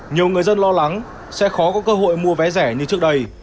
nhiều người dân lo lắng sẽ khó có cơ hội mua vé rẻ như trước đây